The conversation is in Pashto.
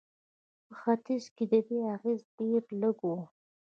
په ختیځ کې د دې اغېز ډېر لږ و.